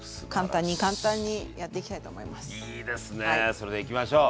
それではいきましょう！